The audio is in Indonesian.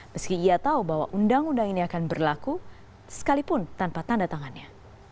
meski ia tahu bahwa undang undang ini akan berlaku sekalipun tanpa tanda tangannya